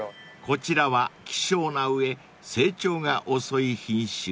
［こちらは希少な上成長が遅い品種］